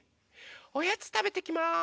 おやつたべてきます！